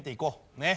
ねっ。